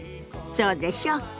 そうでしょ？